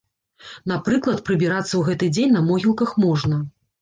Напрыклад, прыбірацца ў гэты дзень на могілках можна.